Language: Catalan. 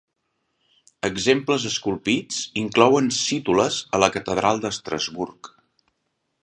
Exemples esculpits inclouen cítoles a la catedral d'Estrasburg.